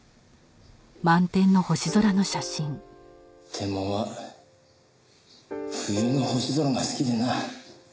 テンモンは冬の星空が好きでな。